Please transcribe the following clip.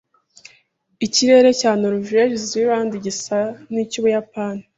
Ikirere cya Nouvelle-Zélande gisa n'icy'Ubuyapani.